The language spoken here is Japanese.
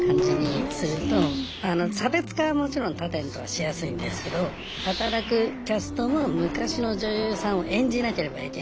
差別化はもちろん他店とはしやすいんですけど働くキャストも昔の女優さんを演じなければいけない。